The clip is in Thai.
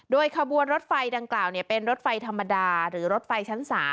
โดยขบวนรถไฟดังกล่าวเป็นรถไฟธรรมดาหรือรถไฟชั้น๓